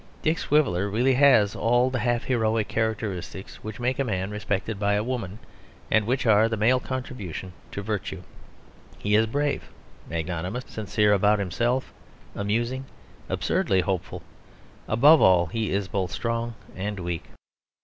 Dick Swiveller really has all the half heroic characteristics which make a man respected by a woman and which are the male contribution to virtue. He is brave, magnanimous, sincere about himself, amusing, absurdly hopeful; above all, he is both strong and weak.